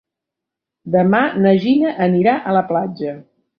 Demà na Gina anirà a la platja.